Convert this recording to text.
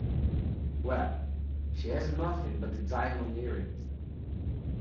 Well, she has nothing but the diamond earrings.